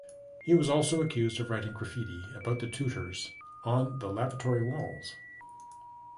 He was also accused of writing graffiti about the tutors on the lavatory walls.